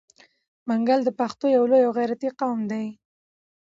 منګل د پښتنو یو لوی او غیرتي قوم دی.